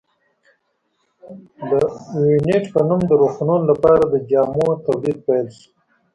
د اوینټ په نوم د روغتونونو لپاره د جامو تولید پیل شو.